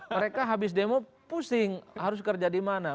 mereka habis demo pusing harus kerja di mana